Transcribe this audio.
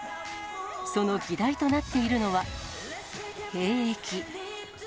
その議題となっているのは兵役。